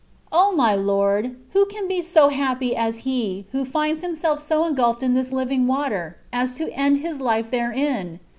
O my Lord ! who can be so happy as he who finds himself so engulfed in this " living water," as to end his life therein